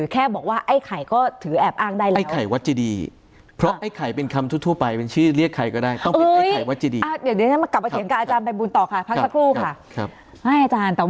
เดี๋ยวครับกลับมาเทียมกับอาจารย์ไปบุญต่อค่ะพักสักครู่ค่ะ